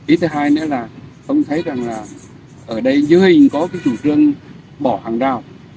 ý thứ hai nữa là ông thấy rằng là ở đây dưới có cái chủ trương bỏ hàng rào